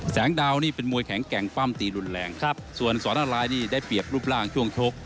แสงดาวนี่เป็นมวยแข็งแกร่งปั้มตีรุนแรงครับส่วนสอนรายนี่ได้เปรียบรูปร่างช่วงชก